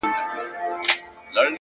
د کتاب د پاڼو رپېدل د باد کوچنی اثر دی!.